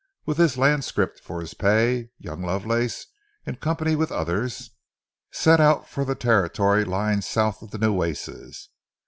With this land scrip for his pay, young Lovelace, in company with others, set out for the territory lying south of the Nueces.